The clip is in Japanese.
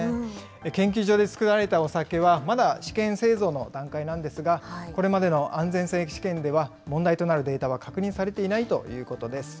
研究所で造られたお酒はまだ試験製造の段階なんですが、これまでの安全性試験では、問題となるデータは確認していないということです。